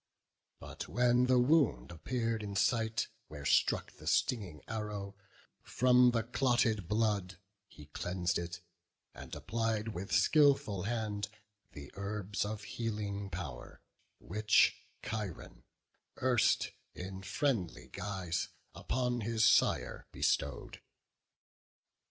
But when the wound appear'd in sight, where struck The stinging arrow, from the clotted blood He cleans'd it, and applied with skilful hand The herbs of healing power, which Chiron erst In friendly guise upon his sire bestowed.